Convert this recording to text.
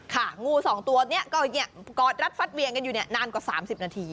ค่ะงูสองตัวเนี้ยก็เนี้ยกอดรัดฟัดเวียงกันอยู่เนี้ยนานกว่าสามสิบนาที